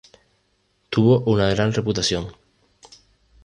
Tuvo una gran reputación.